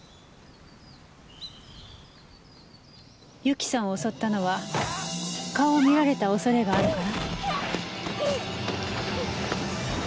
由紀さんを襲ったのは顔を見られた恐れがあるから？